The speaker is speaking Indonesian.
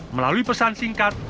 melalui pesan singkat